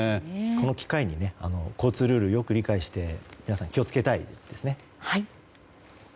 この機会に交通ルールをよく理解して皆さん、気を付けたいですね。